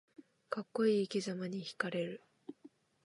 かっこいい生きざまにひかれる